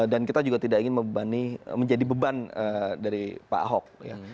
dan kita juga tidak ingin menjadi beban dari pak ahok